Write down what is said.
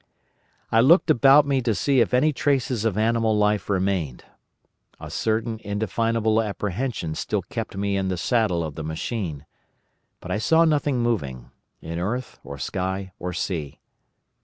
"I looked about me to see if any traces of animal life remained. A certain indefinable apprehension still kept me in the saddle of the machine. But I saw nothing moving, in earth or sky or sea.